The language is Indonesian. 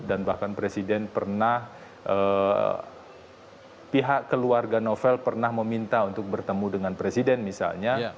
dan bahkan presiden pernah pihak keluarga novel pernah meminta untuk bertemu dengan presiden misalnya